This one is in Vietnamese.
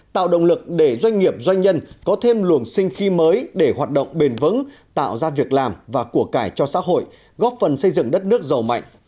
tạo động lực để doanh nghiệp doanh nhân có thêm luồng sinh khí mới để hoạt động bền vững tạo ra việc làm và của cải cho xã hội góp phần xây dựng đất nước giàu mạnh